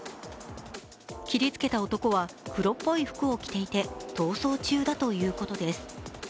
切りつけた男は黒っぽい服を着ていて、逃走中だということです。